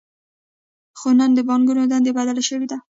خو نن د بانکونو دنده بدله شوې ده